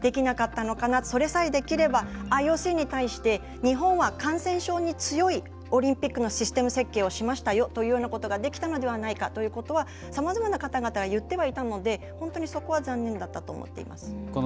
それさえできればＩＯＣに対して日本は感染症に強いオリンピックのシステム設計をしましたよというようなことができたのではないかということはさまざまな方が言ってはいたので本当に、そこは残念だったと思っています。